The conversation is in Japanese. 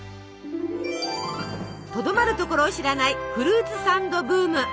とどまるところを知らないフルーツサンドブーム！